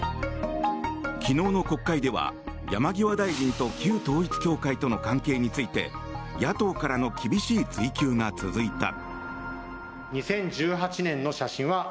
昨日の国会では山際大臣と旧統一教会との関係について野党からの厳しい追及が続いた。